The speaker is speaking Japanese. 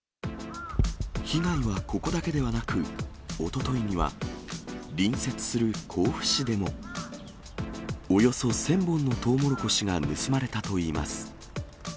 被害はここだけではなく、おとといには、隣接する甲府市でも、およそ１０００本のトウモロコシが盗まれたといいます。